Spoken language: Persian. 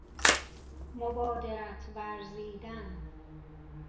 مبادرت ورزیدن